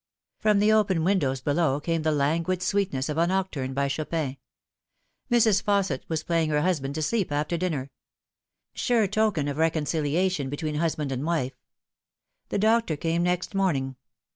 From the open windows below came the languid sweetness of a nocturne by Chopin. Mrs. Fausset was playing her husband to sleep after dinner. Sure token of reconciliation betweeu husband and wife. The doctor came next morning.